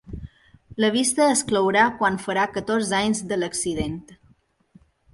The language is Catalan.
La vista es clourà quan farà catorze anys de l’accident.